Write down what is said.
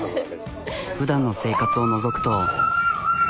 ふだんの生活をのぞくと。